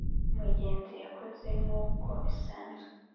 umugeni yakoze nkuko bisanzwe